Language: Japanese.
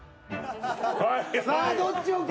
さあどっち置く？